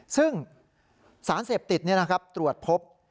ซึ่งสารเสพติดตรวจพบ